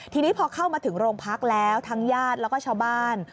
ทีนี้พอเข้ามาถึงโรงพักแล้วทั้งญาติแล้วก็ชาวบ้าน